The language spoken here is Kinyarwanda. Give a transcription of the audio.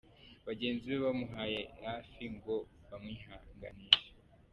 Bagenzi be bamubaye hafi ngo bamwihanganishe.